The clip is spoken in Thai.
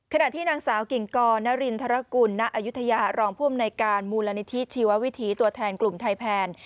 ขณะที่นางสาวกิ่งกรณรินทรกุลณอายุทยารองผู้อำนวยการมูลนิธิชีววิถีตัวแทนกลุ่มไทยแพน